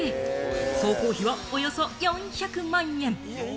総工費はおよそ４００万円。